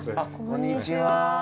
こんにちは。